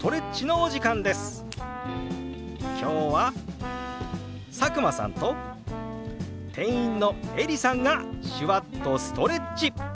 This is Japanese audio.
今日は佐久間さんと店員のエリさんが手話っとストレッチ！